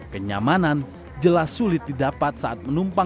kenyamanan jelas sulit didapat saat menumpang